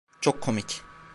Çok komik.